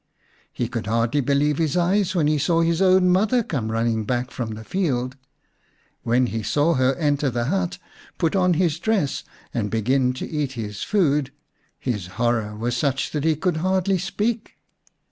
He could hardly believe his eyes when he saw his own mother come running back from the field. When he saw her enter the hut, put on his dress, and begin to eat his food, his horror was such that he could hardly speak.